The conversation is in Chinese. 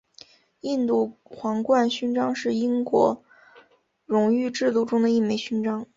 印度皇冠勋章是英国荣誉制度中的一枚勋章。